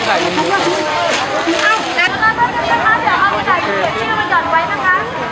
เก่ง